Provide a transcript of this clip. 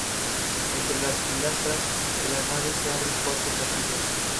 Entre las pilastras de la nave se abren cuatro capillas.